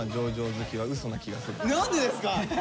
何でですか！